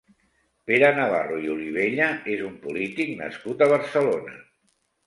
Pere Navarro i Olivella és un polític nascut a Barcelona.